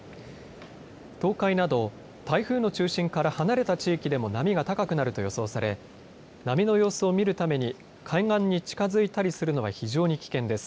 東海など台風の中心から離れた地域でも波が高くなると予想され波の様子を見るために海岸に近づいたりするのは非常に危険です。